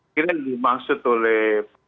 kita dimaksud oleh